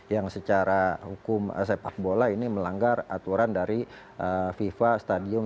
yang secara hukum sepak bola ini melanggar aturan dari fifa stadium